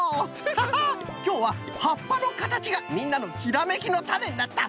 ハハッきょうははっぱのかたちがみんなのひらめきのタネになった。